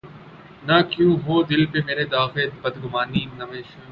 نہ کیوں ہو دل پہ مرے داغِ بدگمانیِ شمع